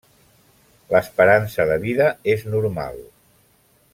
L'esperança de vida és normal.